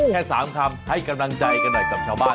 แค่๓คำให้กำลังใจกันหน่อยกับชาวบ้าน